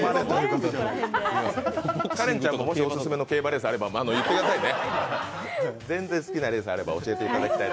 花恋ちゃんがもしオススメの競馬レースあればぜひ言ってくださいね。